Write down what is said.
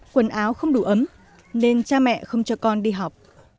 quần áo không đủ ấm nên cha mẹ không cho con đi học